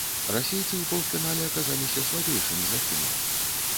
Расейцы ў паўфінале аказаліся слабейшымі за фінаў.